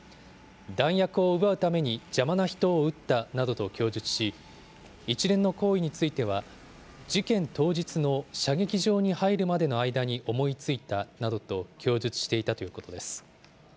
弾薬を奪うために邪魔な人を撃ったなどと供述し、一連の行為については、事件当日の射撃場に入るまでの間に思いついたなどと供述していたということです。